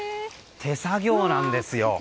手作業なんですよ。